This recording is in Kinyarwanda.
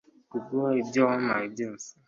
Kuguha ibyo wampaye byose